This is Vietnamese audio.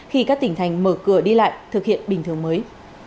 khi các tỉnh thành mở cửa đi lại thực hiện bình thường mới